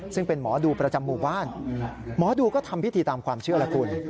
ซึ่งเป็นหมอดูประจำหมู่บ้านหมอดูก็ทำพิธีตามความเชื่อแล้วคุณ